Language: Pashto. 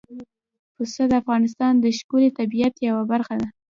پسه د افغانستان د ښکلي طبیعت یوه برخه ده.